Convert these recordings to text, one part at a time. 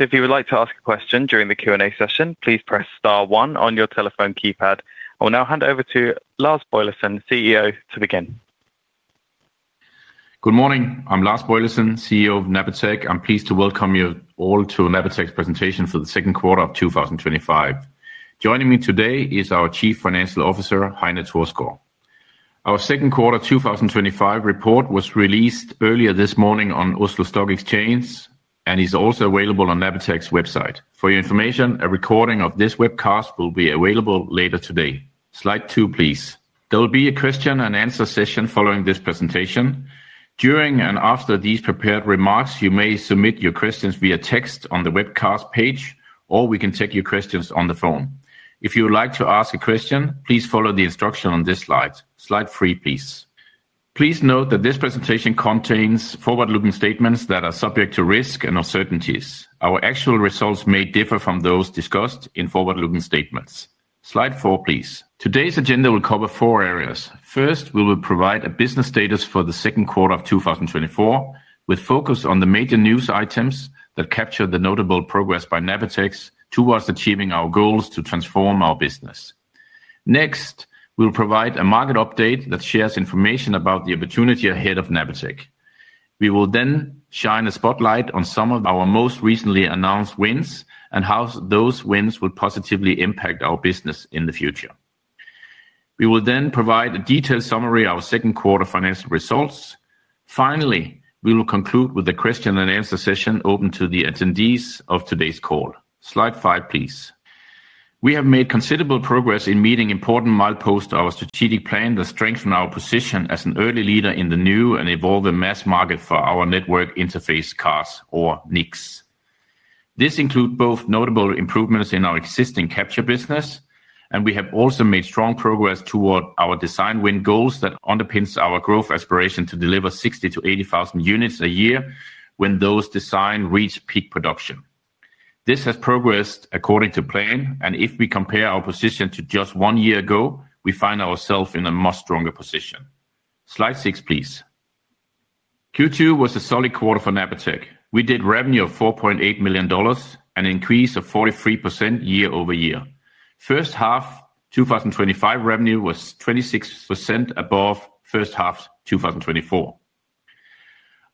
If you would like to ask a question during the Q&A session, please press star one on your telephone keypad. I will now hand over to Lars Boilesen, CEO, to begin. Good morning. I'm Lars Boilesen, CEO of Napatech. I'm pleased to welcome you all to Napatech's Presentation for the Second Quarter of 2025. Joining me today is our Chief Financial Officer, Heine Thorsgaard. Our second quarter 2025 report was released earlier this morning on Oslo Stock Exchange, and it is also available on Napatech's website. For your information, a recording of this webcast will be available later today. Slide two, please. There will be a question and answer session following this presentation. During and after these prepared remarks, you may submit your questions via text on the webcast page, or we can take your questions on the phone. If you would like to ask a question, please follow the instruction on this slide. Slide three, please. Please note that this presentation contains forward-looking statements that are subject to risk and uncertainties. Our actual results may differ from those discussed in forward-looking statements. Slide four, please. Today's agenda will cover four areas. First, we will provide a business status for the second quarter of 2024, with focus on the major news items that capture the notable progress by Napatech towards achieving our goals to transform our business. Next, we'll provide a market update that shares information about the opportunity ahead of Napatech. We will then shine a spotlight on some of our most recently announced wins and how those wins will positively impact our business in the future. We will then provide a detailed summary of our second quarter financial results. Finally, we will conclude with a question and answer session open to the attendees of today's call. Slide five, please. We have made considerable progress in meeting important mileposts to our strategic plan that strengthen our position as an early leader in the new and evolving mass market for our network interface cards, or NICs. This includes both notable improvements in our existing capture business, and we have also made strong progress toward our design win goals that underpin our growth aspiration to deliver 60,000 units-80,000 units a year when those designs reach peak production. This has progressed according to plan, and if we compare our position to just one year ago, we find ourselves in a much stronger position. Slide six, please. Q2 was a solid quarter for Napatech. We did revenue of $4.8 million, an increase of 43% year-over-year. First half 2025 revenue was 26% above first half 2024.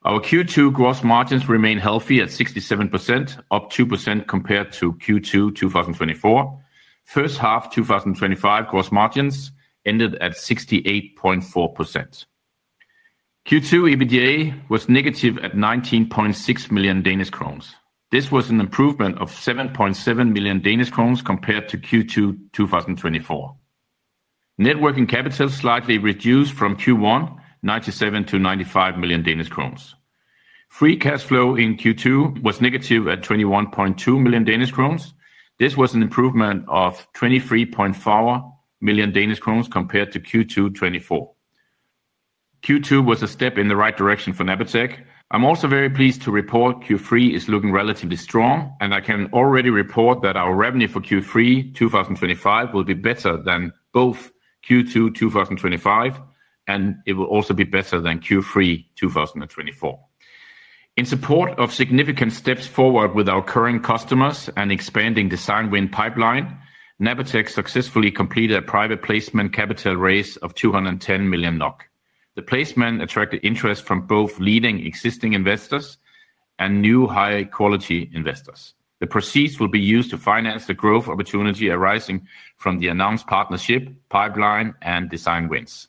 Our Q2 gross margins remained healthy at 67%, up 2% compared to Q2 2024. First half 2025 gross margins ended at 68.4%. Q2 EBITDA was negative at 19.6 million Danish kroner. This was an improvement of 7.7 million Danish kroner compared to Q2 2024. Working capital slightly reduced from Q1, 97 million to 95 million Danish kroner. Free cash flow in Q2 was negative at 21.2 million Danish kroner. This was an improvement of 23.4 million Danish kroner compared to Q2 2024. Q2 was a step in the right direction for Napatech. I'm also very pleased to report Q3 is looking relatively strong, and I can already report that our revenue for Q3 2025 will be better than both Q2 2025, and it will also be better than Q3 2024. In support of significant steps forward with our current customers and expanding the design win pipeline, Napatech successfully completed a private placement capital raise of 210 million NOK. The placement attracted interest from both leading existing investors and new high-quality investors. The proceeds will be used to finance the growth opportunity arising from the announced partnership, pipeline, and design wins.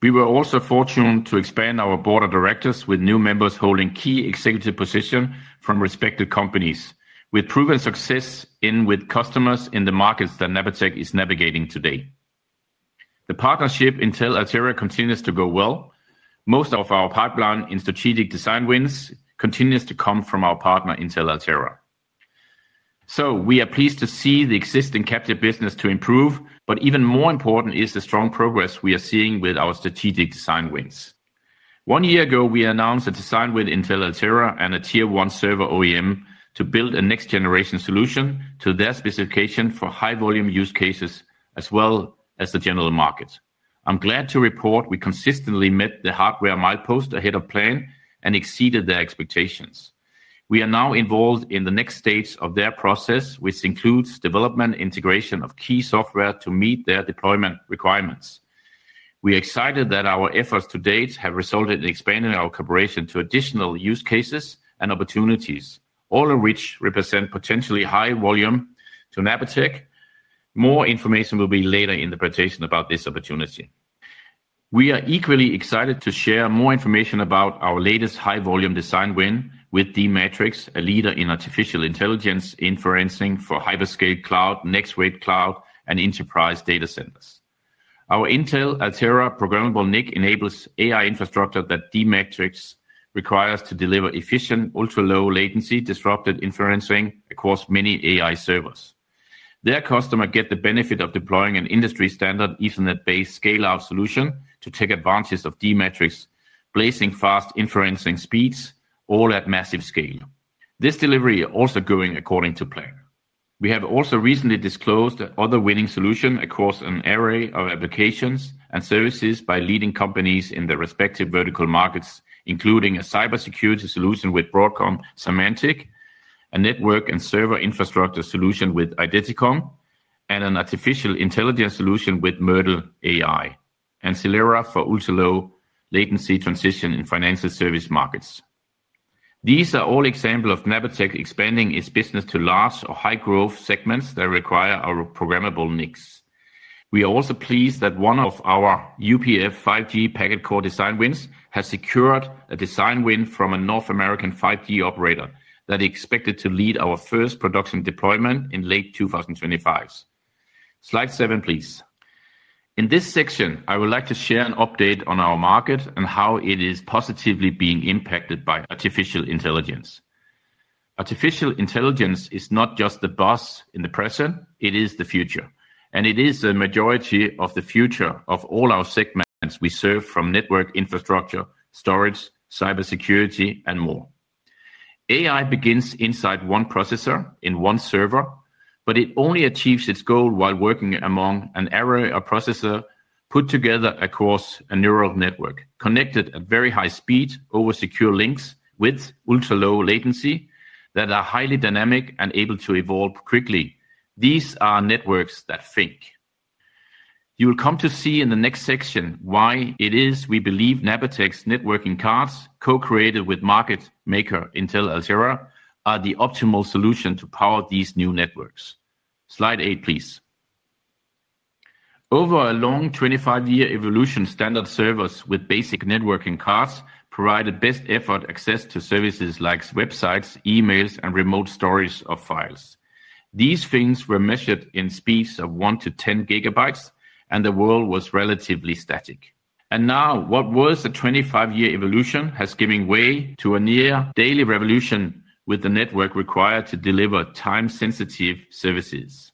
We were also fortunate to expand our Board of Directors with new members holding key executive positions from respected companies, with proven success with customers in the markets that Napatech is navigating today. The partnership with Intel Altera continues to go well. Most of our pipeline in strategic design wins continues to come from our partner Intel Altera. We are pleased to see the existing captive business improve, but even more important is the strong progress we are seeing with our strategic design wins. One year ago, we announced a design win with Intel Altera and a tier one server OEM to build a next-generation solution to their specification for high-volume use cases as well as the general market. I'm glad to report we consistently met the hardware milepost ahead of plan and exceeded their expectations. We are now involved in the next stage of their process, which includes development and integration of key software to meet their deployment requirements. We are excited that our efforts to date have resulted in expanding our cooperation to additional use cases and opportunities, all of which represent potentially high volume to Napatech. More information will be later in the presentation about this opportunity. We are equally excited to share more information about our latest high-volume design win with D-Matrix, a leader in artificial intelligence inferencing for hyperscale cloud, next-wave cloud, and enterprise data centers. Our Intel Altera programmable NIC enables AI infrastructure that D-Matrix requires to deliver efficient, ultra-low latency disruptive inferencing across many AI servers. Their customers get the benefit of deploying an industry-standard Ethernet-based scale-out solution to take advantage of D-Matrix's blazing-fast inferencing speeds, all at massive scale. This delivery is also going according to plan. We have also recently disclosed another winning solution across an array of applications and services by leading companies in their respective vertical markets, including a cybersecurity solution with Broadcom Symantec, a network and server infrastructure solution with Eideticom, and an artificial intelligence solution with Myrdl.ai, and Xelera for ultra-low latency transition in financial service markets. These are all examples of Napatech expanding its business to large or high-growth segments that require our programmable NICs. We are also pleased that one of our UPF 5G packet core design wins has secured a design win from a North American 5G operator that is expected to lead our first production deployment in late 2025. Slide seven, please. In this section, I would like to share an update on our market and how it is positively being impacted by artificial intelligence. Artificial intelligence is not just the buzz in the present; it is the future. It is the majority of the future of all our segments we serve from network infrastructure, storage, cybersecurity, and more. AI begins inside one processor in one server, but it only achieves its goal while working among an array of processors put together across a neural network, connected at very high speed over secure links with ultra-low latency that are highly dynamic and able to evolve quickly. These are networks that think. You will come to see in the next section why it is we believe Napatech's networking cards, co-created with market maker Intel Altera, are the optimal solution to power these new networks. Slide eight, please. Over a long 25-year evolution, standard servers with basic networking cards provided best effort access to services like websites, emails, and remote storage of files. These things were measured in speeds of I GB-10 GB, and the world was relatively static. Now, what was a 25-year evolution has given way to a near-daily revolution with the network required to deliver time-sensitive services.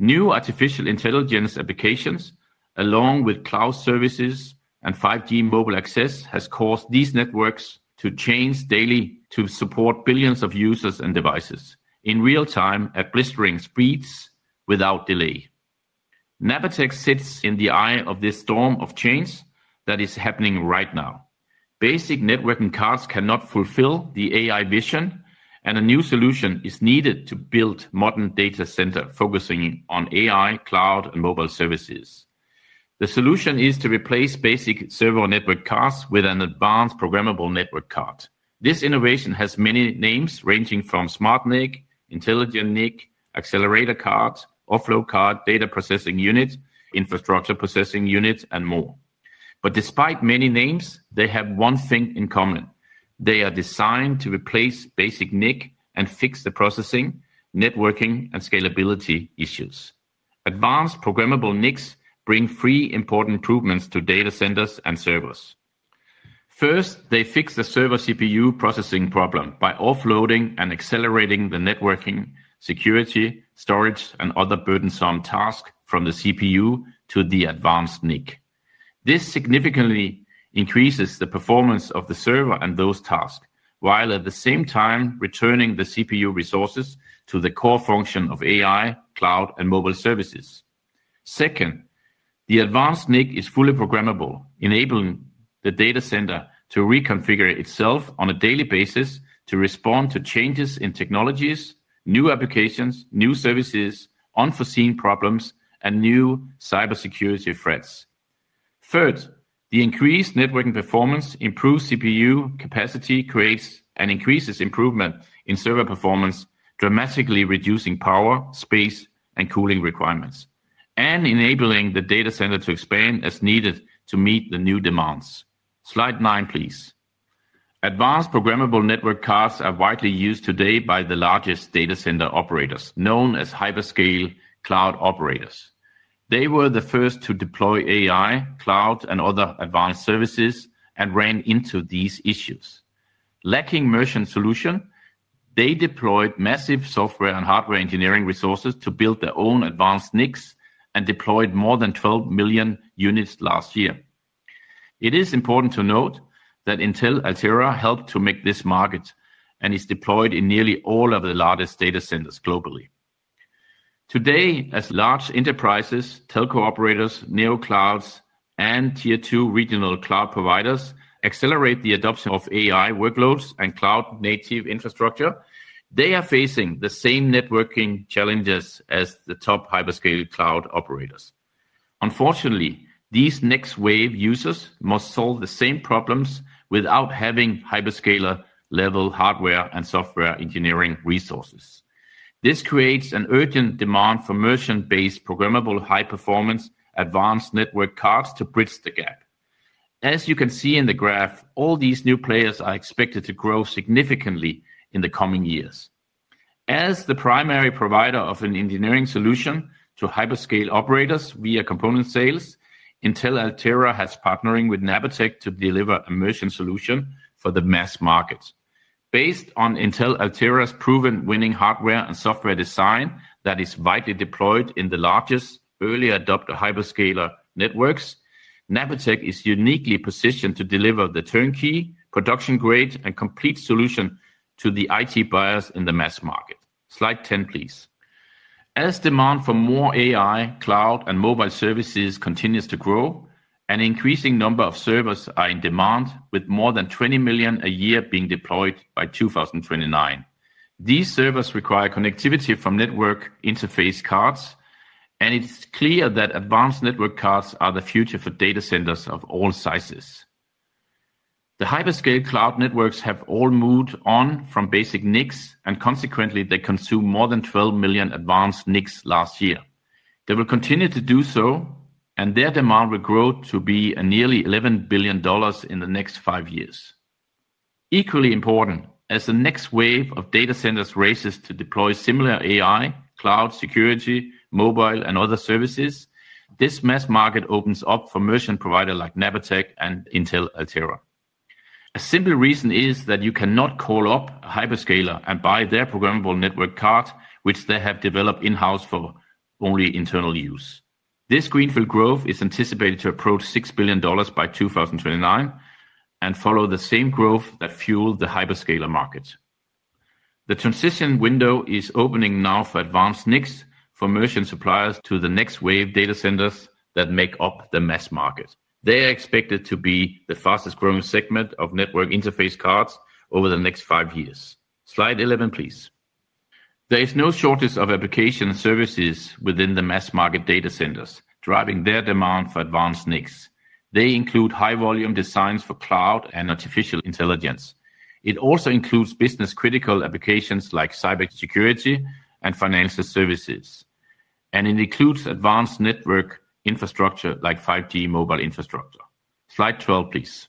New artificial intelligence applications, along with cloud services and 5G mobile access, have caused these networks to change daily to support billions of users and devices in real time at blistering speeds without delay. Napatech sits in the eye of this storm of change that is happening right now. Basic networking cards cannot fulfill the AI vision, and a new solution is needed to build modern data centers focusing on AI, cloud, and mobile services. The solution is to replace basic server network cards with an advanced programmable network interface card. This innovation has many names, ranging from smart NIC, intelligent NIC, accelerator card, offload card, data processing unit, infrastructure processing unit, and more. Despite many names, they have one thing in common. They are designed to replace basic NIC and fix the processing, networking, and scalability issues. Advanced programmable NICs bring three important improvements to data centers and servers. First, they fix the server CPU processing problem by offloading and accelerating the networking, security, storage, and other burdensome tasks from the CPU to the advanced NIC. This significantly increases the performance of the server and those tasks, while at the same time returning the CPU resources to the core function of AI, cloud, and mobile services. Second, the advanced NIC is fully programmable, enabling the data center to reconfigure itself on a daily basis to respond to changes in technologies, new applications, new services, unforeseen problems, and new cybersecurity threats. Third, the increased networking performance improves CPU capacity, creates and increases improvement in server performance, dramatically reducing power, space, and cooling requirements, and enabling the data center to expand as needed to meet the new demands. Slide nine, please. Advanced programmable network interface cards are widely used today by the largest data center operators, known as hyperscale cloud operators. They were the first to deploy AI, cloud, and other advanced services and ran into these issues. Lacking a merchant solution, they deployed massive software and hardware engineering resources to build their own advanced NICs and deployed more than 12 million units last year. It is important to note that Intel Altera helped to make this market and is deployed in nearly all of the largest data centers globally. Today, as large enterprises, telco operators, neoclouds, and tier two regional cloud providers accelerate the adoption of AI workloads and cloud-native infrastructure, they are facing the same networking challenges as the top hyperscale cloud operators. Unfortunately, these next-wave users must solve the same problems without having hyperscaler-level hardware and software engineering resources. This creates an urgent demand for merchant-based programmable high-performance advanced network cards to bridge the gap. As you can see in the graph, all these new players are expected to grow significantly in the coming years. As the primary provider of an engineering solution to hyperscale operators via component sales, Intel Altera has partnered with Napatech to deliver a merchant solution for the mass market. Based on Intel Altera's proven winning hardware and software design that is widely deployed in the largest early adopter hyperscaler networks, Napatech is uniquely positioned to deliver the turnkey, production-grade, and complete solution to the IT buyers in the mass market. Slide 10, please. As demand for more AI, cloud, and mobile services continues to grow, an increasing number of servers are in demand, with more than 20 million a year being deployed by 2029. These servers require connectivity from network interface cards, and it's clear that advanced network cards are the future for data centers of all sizes. The hyperscale cloud networks have all moved on from basic NICs, and consequently, they consume more than 12 million advanced NICs last year. They will continue to do so, and their demand will grow to be nearly $11 billion in the next five years. Equally important, as the next wave of data centers races to deploy similar AI, cloud, security, mobile, and other services, this mass market opens up for merchant providers like Napatech and Intel Altera. A simple reason is that you cannot call up a hyperscaler and buy their programmable network card, which they have developed in-house for only internal use. This greenfield growth is anticipated to approach $6 billion by 2029 and follow the same growth that fueled the hyperscaler market. The transition window is opening now for advanced NICs for merchant suppliers to the next wave data centers that make up the mass market. They are expected to be the fastest growing segment of network interface cards over the next five years. Slide 11, please. There is no shortage of application services within the mass market data centers, driving their demand for advanced NICs. They include high-volume designs for cloud and artificial intelligence. It also includes business-critical applications like cybersecurity and financial services, and it includes advanced network infrastructure like 5G mobile infrastructure. Slide 12, please.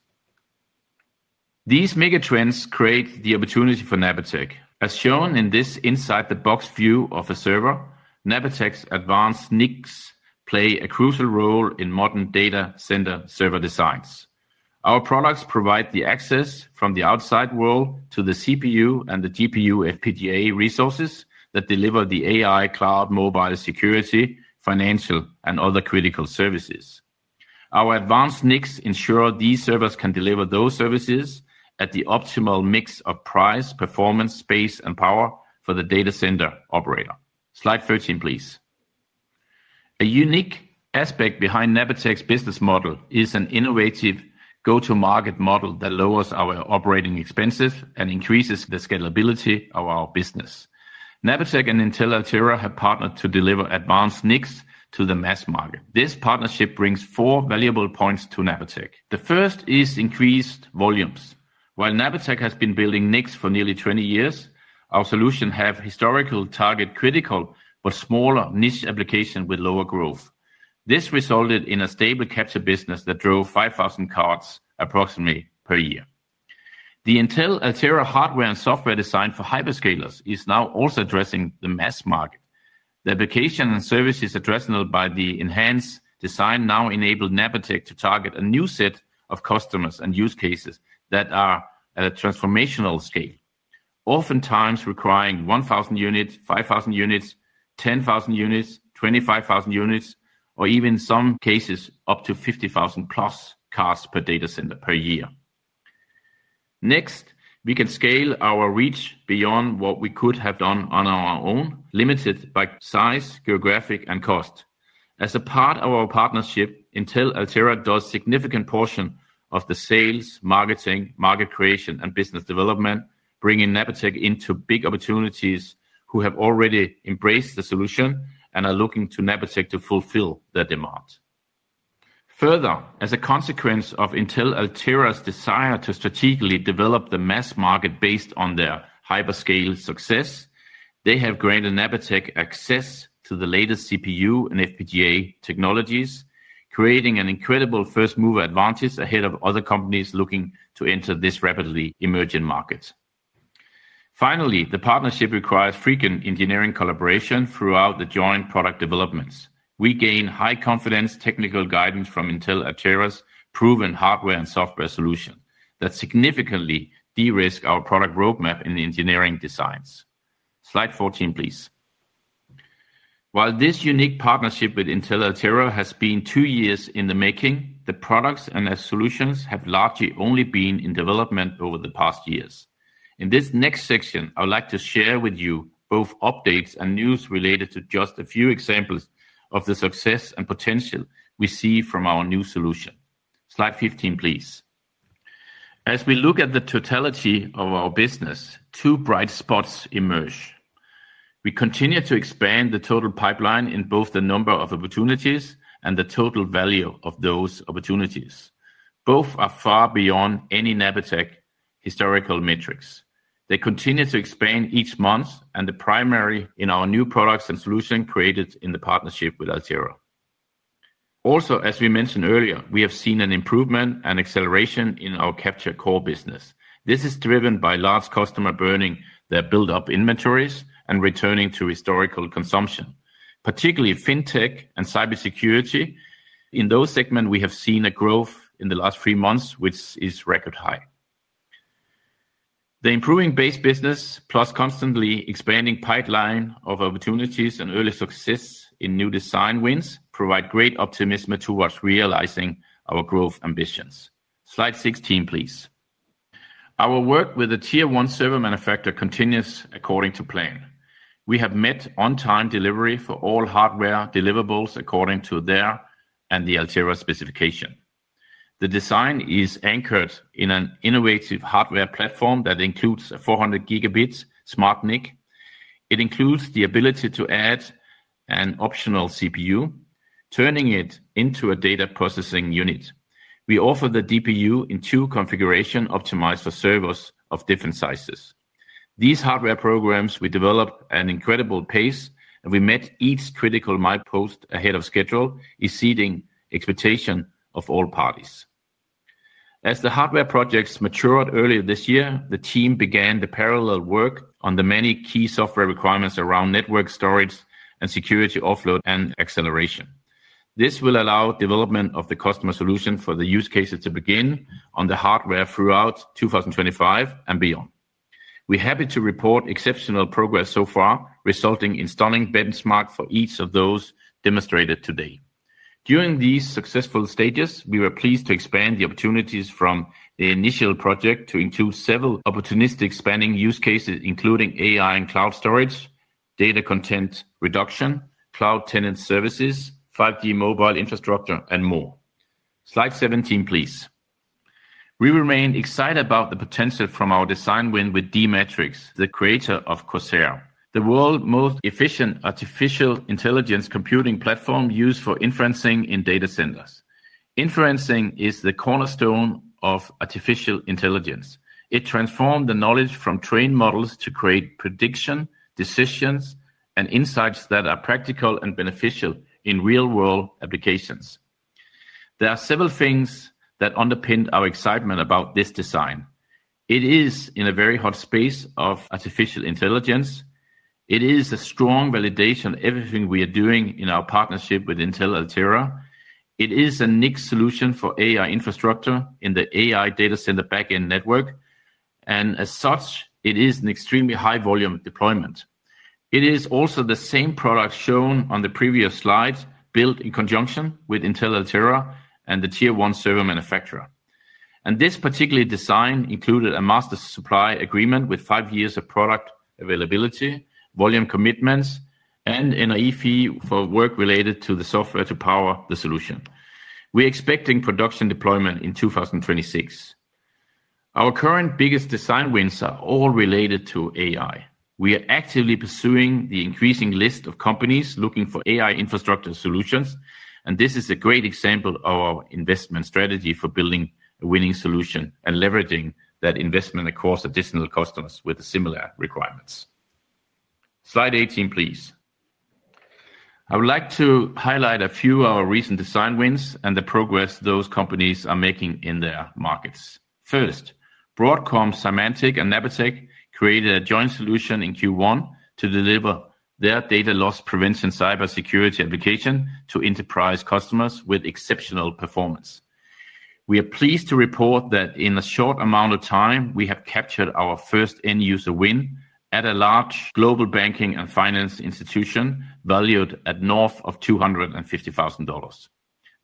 These megatrends create the opportunity for Napatech. As shown in this inside-the-box view of a server, Napatech's advanced NICs play a crucial role in modern data center server designs. Our products provide the access from the outside world to the CPU and the GPU FPGA resources that deliver the AI, cloud, mobile, security, financial, and other critical services. Our advanced NICs ensure these servers can deliver those services at the optimal mix of price, performance, space, and power for the data center operator. Slide 13, please. A unique aspect behind Napatech's business model is an innovative go-to-market model that lowers our operating expenses and increases the scalability of our business. Napatech and Intel Altera have partnered to deliver advanced NICs to the mass market. This partnership brings four valuable points to Napatech. The first is increased volumes. While Napatech has been building NICs for nearly 20 years, our solutions have historically targeted critical but smaller niche applications with lower growth. This resulted in a stable capture business that drove 5,000 cards approximately per year. The Intel Altera hardware and software design for hyperscalers is now also addressing the mass market. The application and service is addressable by the enhanced design now enabling Napatech to target a new set of customers and use cases that are at a transformational scale, oftentimes requiring 1,000 units, 5,000 units, 10,000 units, 25,000 units, or even in some cases up to 50,000 plus cards per data center per year. Next, we can scale our reach beyond what we could have done on our own, limited by size, geographic, and cost. As a part of our partnership, Intel Altera does a significant portion of the sales, marketing, market creation, and business development, bringing Napatech into big opportunities who have already embraced the solution and are looking to Napatech to fulfill that demand. Further, as a consequence of Intel Altera's desire to strategically develop the mass market based on their hyperscale success, they have granted Napatech access to the latest CPU and FPGA technologies, creating an incredible first-mover advantage ahead of other companies looking to enter this rapidly emerging market. Finally, the partnership requires frequent engineering collaboration throughout the joint product developments. We gain high-confidence technical guidance from Intel Altera's proven hardware and software solutions that significantly de-risk our product roadmap in the engineering designs. Slide 14, please. While this unique partnership with Intel Altera has been two years in the making, the products and their solutions have largely only been in development over the past years. In this next section, I would like to share with you both updates and news related to just a few examples of the success and potential we see from our new solution. Slide 15, please. As we look at the totality of our business, two bright spots emerge. We continue to expand the total pipeline in both the number of opportunities and the total value of those opportunities. Both are far beyond any Napatech historical metrics. They continue to expand each month, and the primary in our new products and solutions created in the partnership with Altera. Also, as we mentioned earlier, we have seen an improvement and acceleration in our capture core business. This is driven by large customers burning their built-up inventories and returning to historical consumption, particularly fintech and cybersecurity. In those segments, we have seen a growth in the last three months, which is record high. The improving base business plus constantly expanding pipeline of opportunities and early success in new design wins provide great optimism towards realizing our growth ambitions. Slide 16, please. Our work with the tier one server manufacturer continues according to plan. We have met on-time delivery for all hardware deliverables according to their and the Altera specification. The design is anchored in an innovative hardware platform that includes a 400 GB smart NIC. It includes the ability to add an optional CPU, turning it into a data processing unit. We offer the DPU in two configurations optimized for servers of different sizes. These hardware programs develop at an incredible pace, and we met each critical milepost ahead of schedule, exceeding expectations of all parties. As the hardware projects matured earlier this year, the team began the parallel work on the many key software requirements around network storage and security offload and acceleration. This will allow development of the customer solution for the use cases to begin on the hardware throughout 2025 and beyond. We're happy to report exceptional progress so far, resulting in stunning benchmarks for each of those demonstrated today. During these successful stages, we were pleased to expand the opportunities from the initial project to include several opportunistic spanning use cases, including AI and cloud storage, data content reduction, cloud tenant services, 5G mobile infrastructure, and more. Slide 17, please. We remain excited about the potential from our design win with D-Matrix, the creator of Corsair, the world's most efficient artificial intelligence computing platform used for inferencing in data centers. Inferencing is the cornerstone of artificial intelligence. It transformed the knowledge from trained models to create predictions, decisions, and insights that are practical and beneficial in real-world applications. There are several things that underpin our excitement about this design. It is in a very hot space of artificial intelligence. It is a strong validation of everything we are doing in our partnership with Intel Altera. It is a NIC solution for AI infrastructure in the AI data center backend network, and as such, it is an extremely high-volume deployment. It is also the same product shown on the previous slides, built in conjunction with Intel Altera and the Tier 1 server manufacturer. This particular design included a master supply agreement with five years of product availability, volume commitments, and an NAE fee for work related to the software to power the solution. We're expecting production deployment in 2026. Our current biggest design wins are all related to AI. We are actively pursuing the increasing list of companies looking for AI infrastructure solutions, and this is a great example of our investment strategy for building a winning solution and leveraging that investment across additional customers with similar requirements. Slide 18, please. I would like to highlight a few of our recent design wins and the progress those companies are making in their markets. First, Broadcom Symantec and Napatech created a joint solution in Q1 to deliver their data loss prevention cybersecurity application to enterprise customers with exceptional performance. We are pleased to report that in a short amount of time, we have captured our first end-user win at a large global banking and finance institution valued at north of $250,000.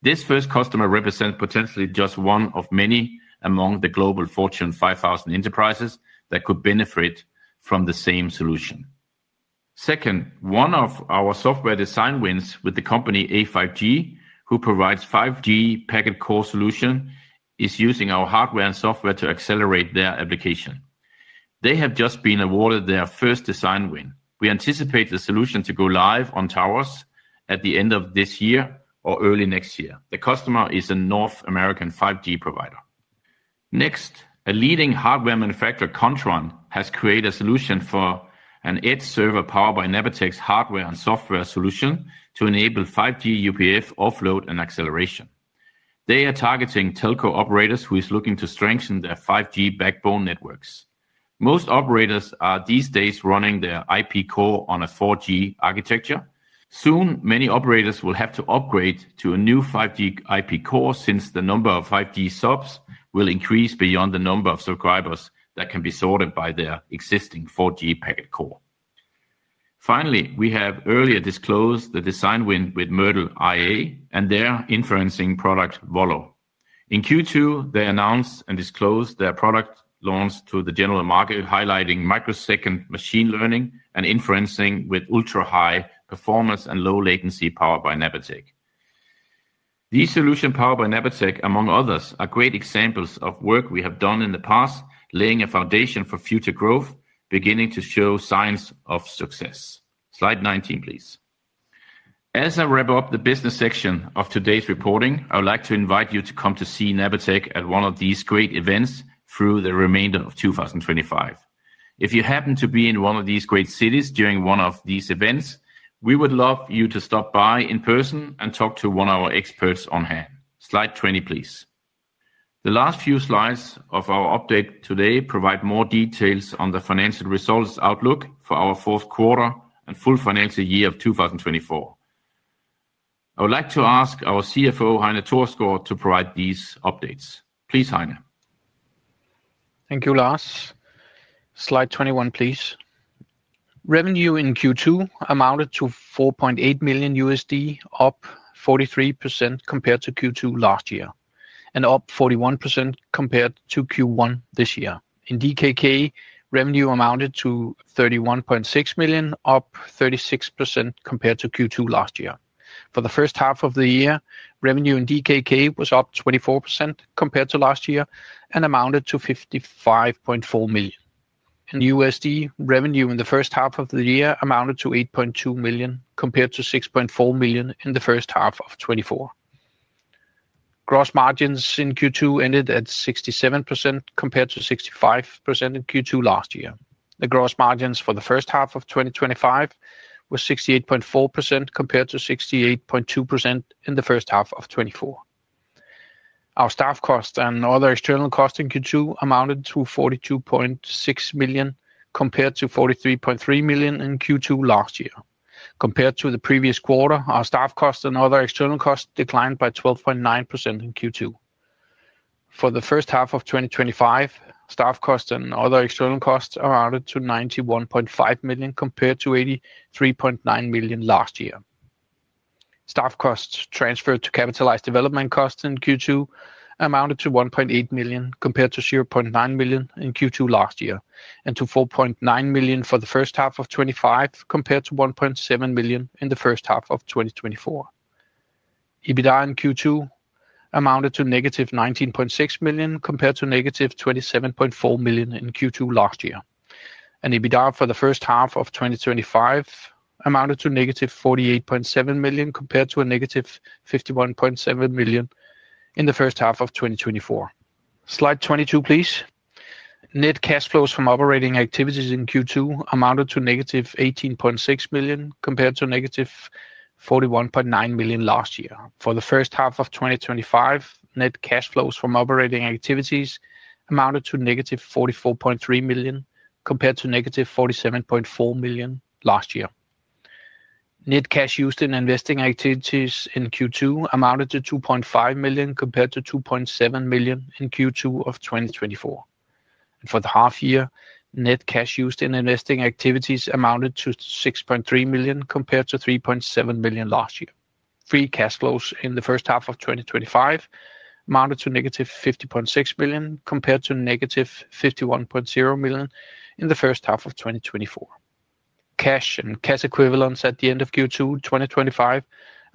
This first customer represents potentially just one of many among the global Fortune 5,000 enterprises that could benefit from the same solution. Second, one of our software design wins with the company A5G, who provides a 5G packet core solution, is using our hardware and software to accelerate their application. They have just been awarded their first design win. We anticipate the solution to go live on towers at the end of this year or early next year. The customer is a North America 5G provider. Next, a leading hardware manufacturer, Kontron, has created a solution for an edge server powered by Napatech's hardware and software solution to enable 5G UPF offload and acceleration. They are targeting telco operators who are looking to strengthen their 5G backbone networks. Most operators are these days running their IP core on a 4G architecture. Soon, many operators will have to upgrade to a new 5G IP core since the number of 5G subs will increase beyond the number of subscribers that can be supported by their existing 4G packet core. Finally, we have earlier disclosed the design win with Myrdl.ai and their inferencing product, Volo. In Q2, they announced and disclosed their product launch to the general market, highlighting microsecond machine learning and inferencing with ultra-high performance and low latency powered by Napatech. These solutions powered by Napatech, among others, are great examples of work we have done in the past, laying a foundation for future growth, beginning to show signs of success. Slide 19, please. As I wrap up the business section of today's reporting, I would like to invite you to come to see Napatech at one of these great events through the remainder of 2025. If you happen to be in one of these great cities during one of these events, we would love you to stop by in person and talk to one of our experts on hand. Slide 20, please. The last few slides of our update today provide more details on the financial results outlook for our fourth quarter and full financial year of 2024. I would like to ask our CFO, Heine Thorsgaard, to provide these updates. Please, Heine. Thank you, Lars. Slide 21, please. Revenue in Q2 amounted to $4.8 million, up 43% compared to Q2 last year, and up 41% compared to Q1 this year. In DKK, revenue amounted to 31.6 million, up 36% compared to Q2 last year. For the first half of the year, revenue in DKK was up 24% compared to last year and amounted to DKK $55.4 million. In USD, revenue in the first half of the year amounted to $8.2 million compared to $6.4 million in the first half of 2024. Gross margins in Q2 ended at 67% compared to 65% in Q2 last year. The gross margins for the first half of 2025 were 68.4% compared to 68.2% in the first half of 2024. Our staff costs and other external costs in Q2 amounted to $42.6 million compared to $43.3 million in Q2 last year. Compared to the previous quarter, our staff costs and other external costs declined by 12.9% in Q2. For the first half of 2025, staff costs and other external costs are added to $91.5 million compared to $83.9 million last year. Staff costs transferred to capitalized development costs in Q2 amounted to $1.8 million compared to $0.9 million in Q2 last year and to $4.9 million for the first half of 2025 compared to $1.7 million in the first half of 2024. EBITDA in Q2 amounted to -$19.6 million compared to -$27.4 million in Q2 last year. EBITDA for the first half of 2025 amounted to -$48.7 million compared to -$51.7 million in the first half of 2024. Slide 22, please. Net cash flows from operating activities in Q2 amounted to -$18.6 million compared to -$41.9 million last year. For the first half of 2025, net cash flows from operating activities amounted to -$44.3 million compared to -$47.4 million last year. Net cash used in investing activities in Q2 amounted to $2.5 million compared to $2.7 million in Q2 of 2024. For the half year, net cash used in investing activities amounted to$ 6.3 million compared to $3.7 million last year. Free cash flows in the first half of 2025 amounted to negative $50.6 million compared to -$51.0 million in the first half of 2024. Cash and cash equivalents at the end of Q2 2025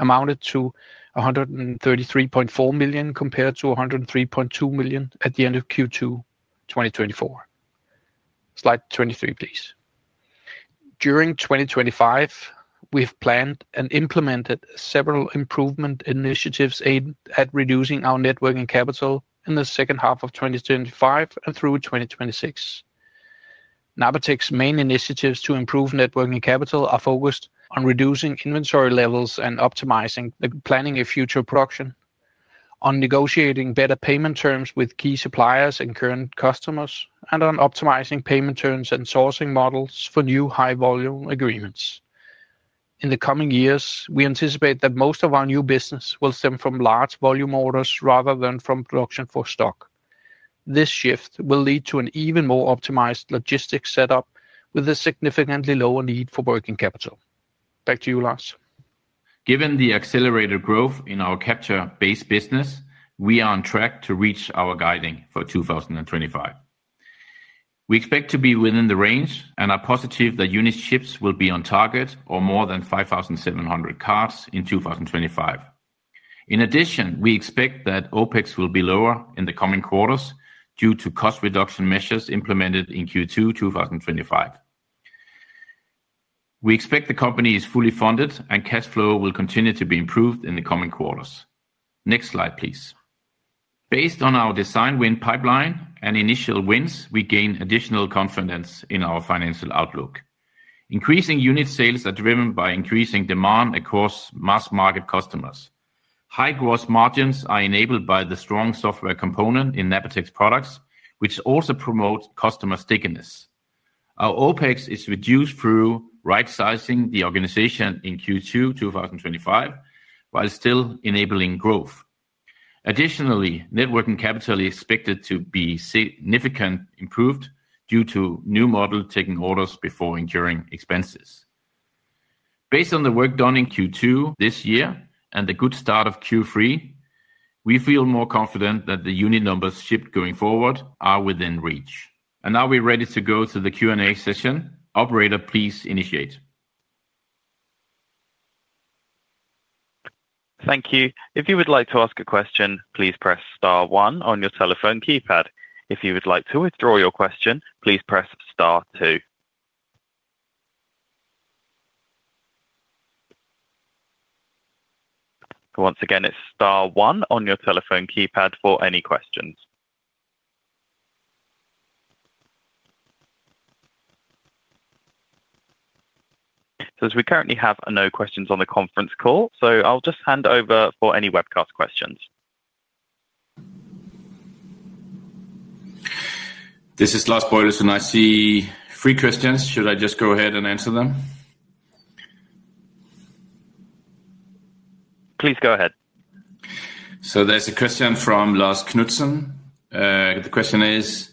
amounted to $133.4 million compared to $103.2 million at the end of Q2 2024. Slide 23, please. During 2025, we've planned and implemented several improvement initiatives aimed at reducing our working capital in the second half of 2025 and through 2026. Napatech's main initiatives to improve working capital are focused on reducing inventory levels and optimizing the planning of future production, on negotiating better payment terms with key suppliers and current customers, and on optimizing payment terms and sourcing models for new high-volume agreements. In the coming years, we anticipate that most of our new business will stem from large volume orders rather than from production for stock. This shift will lead to an even more optimized logistics setup with a significantly lower need for working capital. Back to you, Lars. Given the accelerated growth in our capture-based business, we are on track to reach our guiding for 2025. We expect to be within the range and are positive that unit ships will be on target or more than 5,700 cards in 2025. In addition, we expect that OpEx will be lower in the coming quarters due to cost reduction measures implemented in Q2 2025. We expect the company is fully funded and cash flow will continue to be improved in the coming quarters. Next slide, please. Based on our design win pipeline and initial wins, we gain additional confidence in our financial outlook. Increasing unit sales are driven by increasing demand across mass market customers. High gross margins are enabled by the strong software component in Napatech's products, which also promotes customer stickiness. Our OpEx is reduced through right-sizing the organization in Q2 2025 while still enabling growth. Additionally, working capital is expected to be significantly improved due to new models taking orders before enduring expenses. Based on the work done in Q2 this year and the good start of Q3, we feel more confident that the unit numbers shipped going forward are within reach. We are ready to go to the Q&A session. Operator, please initiate. Thank you. If you would like to ask a question, please press star one on your telephone keypad. If you would like to withdraw your question, please press star two. Once again, it's star one on your telephone keypad for any questions. As we currently have no questions on the conference call, I'll just hand over for any webcast questions. This is Lars Boilesen, and I see three questions. Should I just go ahead and answer them? Please go ahead. There's a question from Lars Knudsen. The question is,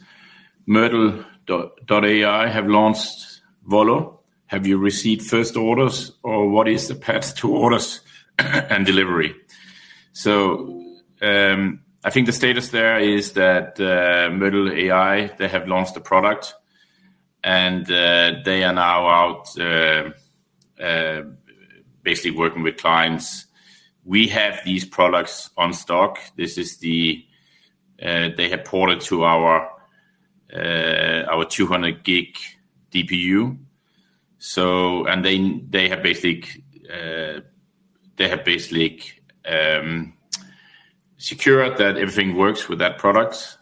Myrdl.ai have launched Volo. Have you received first orders or what is the path to orders and delivery? I think the status there is that Myrdl.ai have launched the product and they are now out basically working with clients. We have these products on stock. This is the, they have ported to our 200 GB DPU, and they have basically secured that everything works with that product.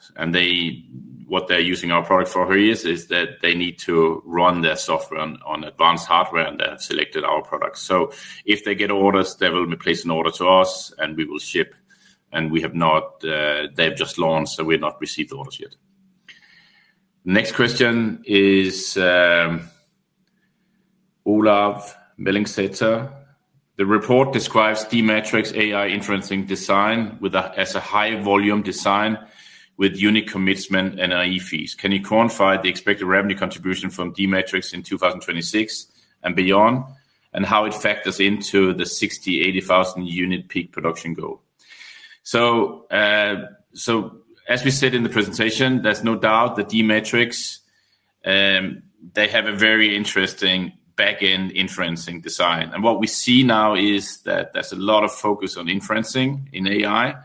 What they're using our product for is that they need to run their software on advanced hardware and they have selected our products. If they get orders, they will place an order to us and we will ship. They have just launched, so we have not received orders yet. Next question is Olav Mellingseter. The report describes D-Matrix AI inferencing design as a high-volume design with unit commitment and NAE fees. Can you quantify the expected revenue contribution from D-Matrix in 2026 and beyond and how it factors into the 60,000 unit-80,000 unit peak production goal? As we said in the presentation, there's no doubt that D-Matrix, they have a very interesting backend inferencing design. What we see now is that there's a lot of focus on inferencing in AI.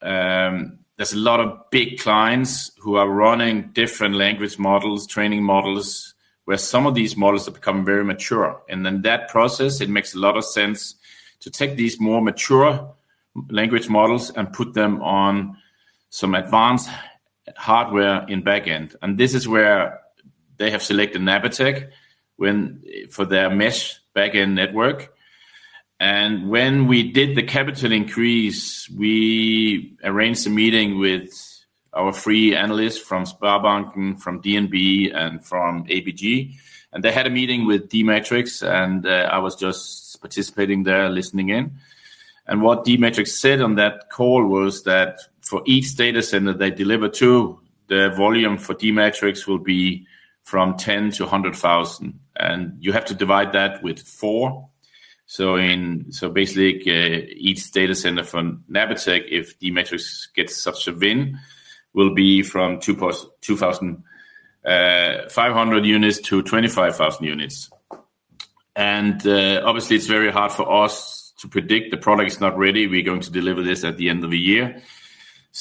There's a lot of big clients who are running different language models, training models, where some of these models have become very mature. In that process, it makes a lot of sense to take these more mature language models and put them on some advanced hardware in the backend. This is where they have selected Napatech for their mesh backend network. When we did the capital increase, we arranged a meeting with our three analysts from Spaarbekken, from DNB, and from ABG. They had a meeting with D-Matrix, and I was just participating there, listening in. What D-Matrix said on that call was that for each data center they deliver to, the volume for D-Matrix will be from 10,000-100,000. You have to divide that with four. Basically, each data center for Napatech, if D-Matrix gets such a win, will be from 2,500 units-25,000 units. Obviously, it's very hard for us to predict. The product is not ready. We're going to deliver this at the end of the year.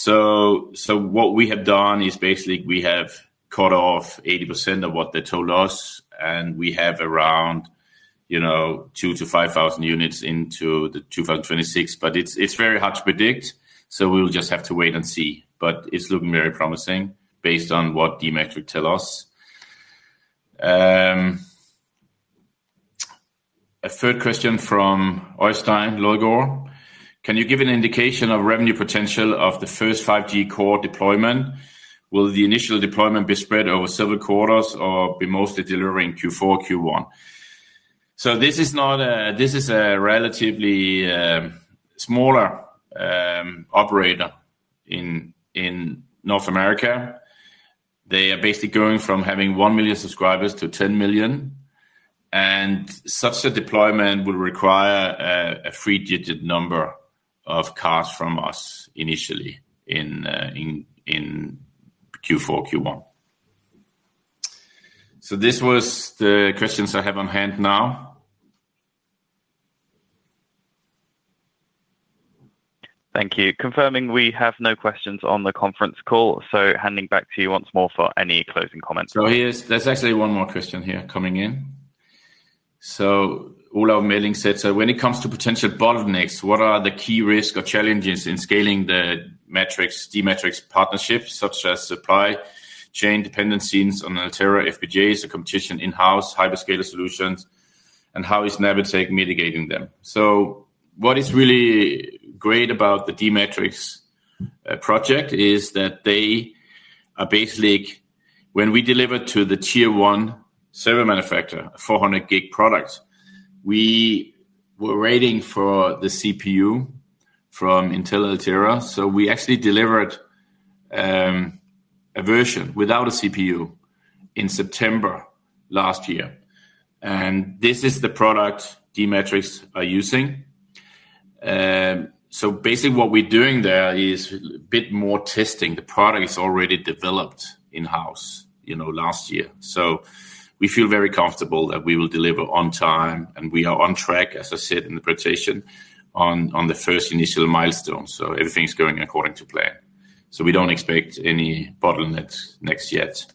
What we have done is basically we have cut off 80% of what they told us, and we have around 2,000 units-5,000 units into 2026. It's very hard to predict. We'll just have to wait and see. It's looking very promising based on what D-Matrix tells us. A third question from Øystein Løgård: Can you give an indication of revenue potential of the first 5G packet core deployment? Will the initial deployment be spread over several quarters or be mostly delivering Q4 or Q1? This is a relatively smaller operator in North America. They are basically going from having 1 million subscribers to 10 million. Such a deployment will require a three-digit number of cards from us initially in Q4 or Q1. These were the questions I have on hand now. Thank you. Confirming we have no questions on the conference call, handing back to you once more for any closing comments. Here's actually one more question here coming in. Olav Mellingseter. When it comes to potential bottlenecks, what are the key risks or challenges in scaling the D-Matrix partnerships, such as supply chain dependencies on Intel Altera FPGAs, the competition in-house, hyperscaler solutions, and how is Napatech mitigating them? What is really great about the D-Matrix project is that they are basically, when we delivered to the tier one server manufacturer, a 400 GB product, we were waiting for the CPU from Intel Altera. We actually delivered a version without a CPU in September last year. This is the product D-Matrix are using. Basically, what we're doing there is a bit more testing. The product is already developed in-house last year. We feel very comfortable that we will deliver on time, and we are on track, as I said in the presentation, on the first initial milestone. Everything's going according to plan. We don't expect any bottlenecks yet.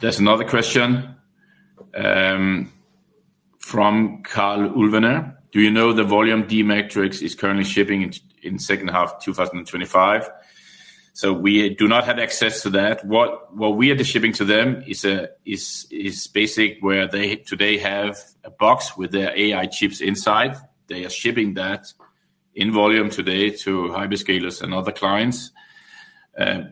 There's another question from Karl Ulvener. Do you know the volume D-Matrix is currently shipping in the second half of 2025? We do not have access to that. What we are shipping to them is basically where they today have a box with their AI chips inside. They are shipping that in volume today to hyperscalers and other clients.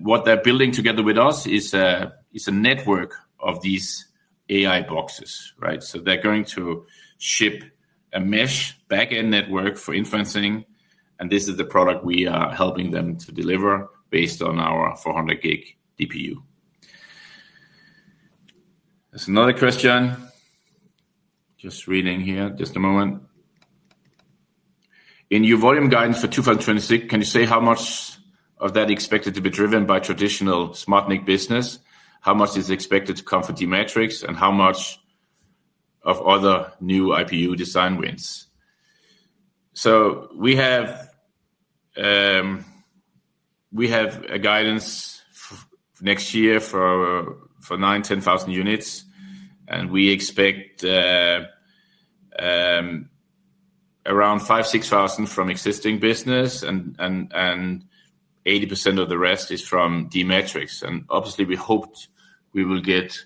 What they're building together with us is a network of these AI boxes, right? They're going to ship a mesh backend network for inferencing, and this is the product we are helping them to deliver based on our 400 GB DPU. There's another question. Just reading here, just a moment. In your volume guidance for 2026, can you say how much of that is expected to be driven by traditional smart NIC business? How much is expected to come for D-Matrix, and how much of other new IPU design wins? We have a guidance for next year for 9,000 units10,000 units, and we expect around 5,000-6,000 from existing business, and 80% of the rest is from D-Matrix. Obviously, we hoped we will get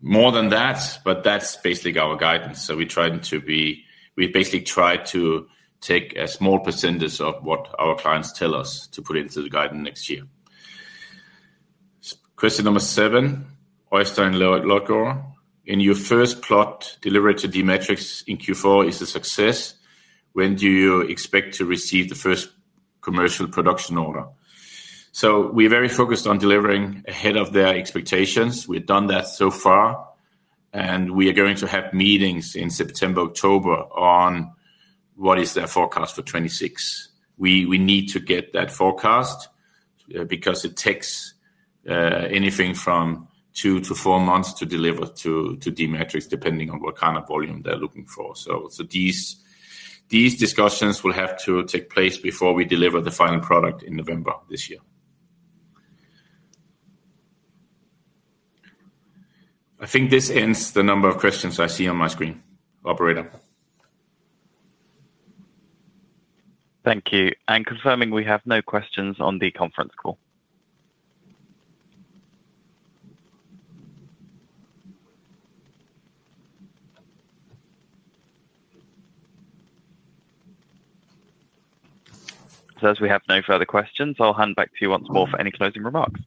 more than that, but that's basically our guidance. We basically try to take a small percentage of what our clients tell us to put into the guidance next year. Question number seven. Oyster and Lowgard. In your first plot delivery to D-Matrix in Q4, is the success. When do you expect to receive the first commercial production order? We're very focused on delivering ahead of their expectations. We've done that so far, and we are going to have meetings in September, October on what is their forecast for 2026. We need to get that forecast because it takes anything from 2-4 months to deliver to D-Matrix, depending on what kind of volume they're looking for. These discussions will have to take place before we deliver the final product in November this year. I think this ends the number of questions I see on my screen, operator. Thank you. Confirming we have no questions on the conference call. As we have no further questions, I'll hand back to you once more for any closing remarks.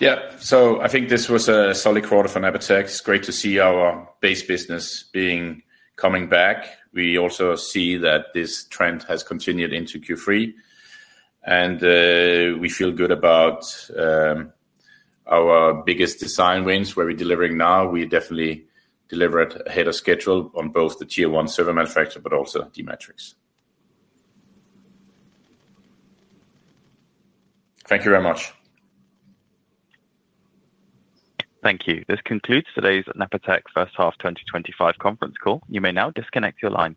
Yeah, so I think this was a solid quarter for Napatech. It's great to see our base business coming back. We also see that this trend has continued into Q3, and we feel good about our biggest design wins, where we're delivering now. We definitely delivered ahead of schedule on both the tier one server manufacturer, but also D-Matrix. Thank you very much. Thank you. This concludes today's Napatech First Half 2025 Conference Call. You may now disconnect your line.